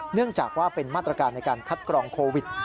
เนื่องจากว่าเป็นมาตรการในการคัดกรองโควิด